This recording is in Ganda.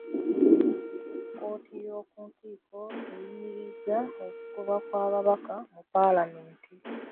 Kkooti y'okuntikko eyimirizza okugobwa kw'ababaka mukaaga mu Paalamenti